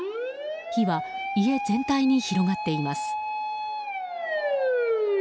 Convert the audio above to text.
火は家全体に広がっています。